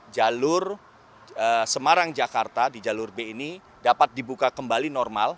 jalur semarang jakarta di jalur b ini dapat dibuka kembali normal